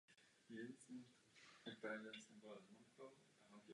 Klub byl během své existence farmou Bostonu Bruins.